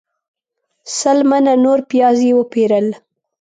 سل منه نور پیاز یې وپیرل.